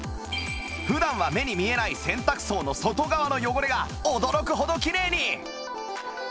普段は目に見えない洗濯槽の外側の汚れが驚くほどきれいに！